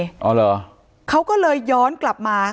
คนเล่าย้อนกลับมา